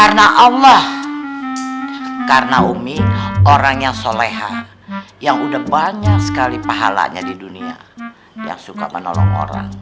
karena allah karena umi orang yang soleha yang udah banyak sekali pahalanya di dunia yang suka menolong orang